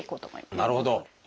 なるほど！